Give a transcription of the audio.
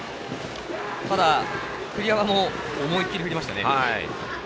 ただ、栗山も思い切り振りましたね。